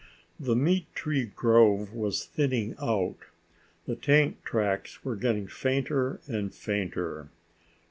The meat tree grove was thinning out. The tank tracks were getting fainter and fainter.